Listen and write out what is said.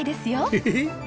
えっ？